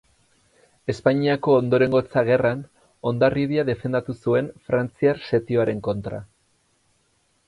Espainiako Ondorengotza Gerran Hondarribia defendatu zuen frantziar setioaren kontra.